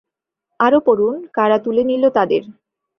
আরও পড়ুন কারা তুলে নিল তাঁদের